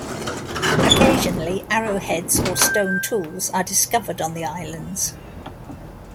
Occasionally, arrowheads or stone tools are discovered on the islands.